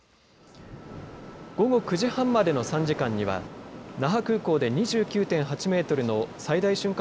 午後９時半までの３時間には那覇空港で２９．８メートルの最大瞬間